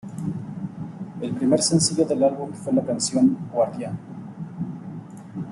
El primer sencillo del álbum fue la canción "Guardian".